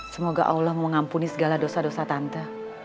semoga allah mengampuni segala dosa dosa tante